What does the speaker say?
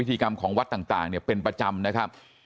กิจกรรมของวัดต่างเนี่ยเป็นประจำนะครับ